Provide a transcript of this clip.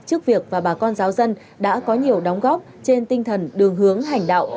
trước việc và bà con giáo dân đã có nhiều đóng góp trên tinh thần đường hướng hành đạo